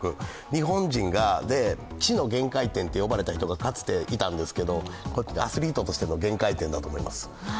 日本人が血の限界点と言われた人がかつていたんですけど、アスリートとしての限界点だと思います。